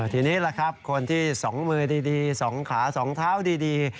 ทีนี้ล่ะครับคนที่สองมือดีสองขาสองเท้าดี